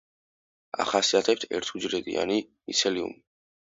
ახასიათებთ ერთუჯრედიანი მიცელიუმი.